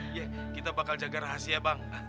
yeh kita bakal jaga rahasia bang